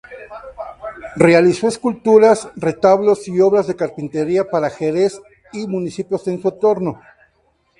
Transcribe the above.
Realizó esculturas, retablos y obras de carpintería para Jerez y municipios de su entorno.